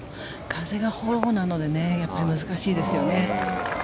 風がフォローなので難しいですよね。